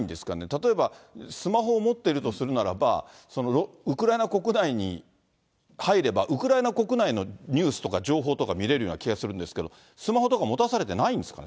例えばスマホを持ってるとするならば、ウクライナ国内に入れば、ウクライナ国内のニュースとか、情報とか見れるような気がするんですけど、スマホとか持たされてないんですか？